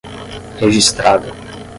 registrada